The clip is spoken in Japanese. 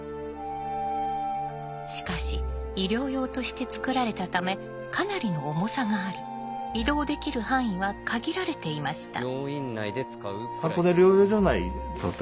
しかし医療用として作られたためかなりの重さがあり移動できる範囲は限られていました。